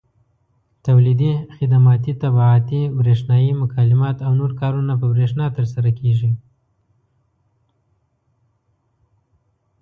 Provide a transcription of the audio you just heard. تولیدي، خدماتي، طباعتي، برېښنایي مکالمات او نور کارونه په برېښنا ترسره کېږي.